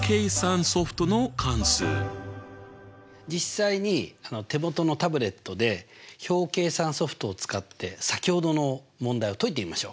実際に手元のタブレットで表計算ソフトを使って先ほどの問題を解いてみましょう！